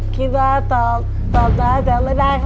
ตอบตอบได้แต่ไม่ได้ค่ะ